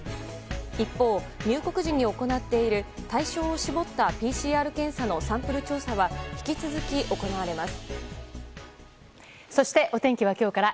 一方、入国時に行っている対象を絞ったＰＣＲ検査のサンプル調査は引き続き行われます。